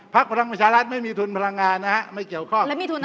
พลังประชารัฐไม่มีทุนพลังงานนะฮะไม่เกี่ยวข้อง